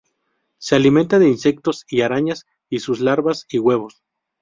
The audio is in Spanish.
Se alimentan de insectos y arañas y sus larvas y huevos.